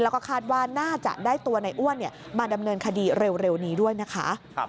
แล้วก็คาดว่าน่าจะได้ตัวในอ้วนมาดำเนินคดีเร็วนี้ด้วยนะคะ